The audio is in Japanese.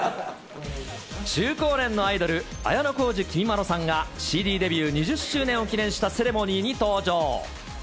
中高年のアイドル、綾小路きみまろさんが、ＣＤデビュー２０周年を記念したセレモニーに登場。